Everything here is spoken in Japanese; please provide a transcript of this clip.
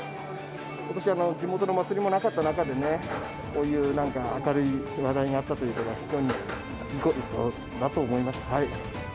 ことしは地元のお祭りもなかった中でね、こういうなんか明るい話題があったということは、非常によいことだと思います。